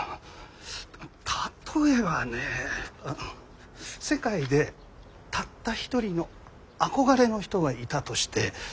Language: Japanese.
例えばね世界でたった一人の憧れの人がいたとして。